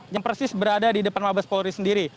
yang persis berada di depan mabespori sendiri